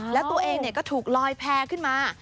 แล้วตัวเองก็ถูกลอยแพร่ขึ้นมา